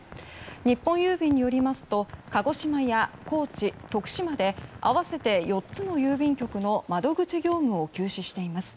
日本郵便によりますと鹿児島や高知、徳島で合わせて４つの郵便局の窓口業務を休止しています。